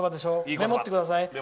メモってください。